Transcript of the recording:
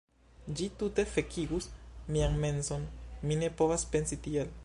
Ĝi tute fekigus mian menson, mi ne povas pensi tiel.